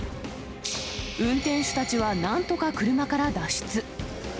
運転手たちはなんとか車から脱出。